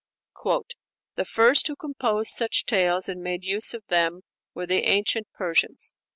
"The first who composed such tales and made use of them were the ancient Persians.